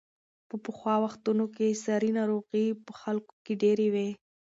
په پخوا وختونو کې ساري ناروغۍ په خلکو کې ډېرې وې.